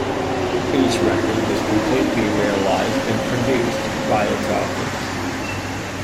Each record was completely realized and produced by its authors.